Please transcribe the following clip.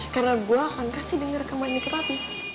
karena gue akan kasih denger kemah ini ke papi